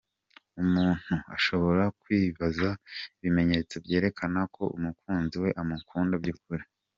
Umuntu ashobora kwibaza ibimenyetso byerekana ko umukunzi we amukunda by’ukuri.